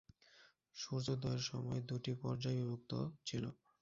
সূর্যোদয়ের সময় দুটি পর্যায়ে বিভক্ত ছিল।